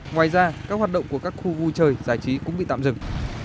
ngoài ra các hoạt động của các khu vui chơi giải trí cũng bị tạm dừng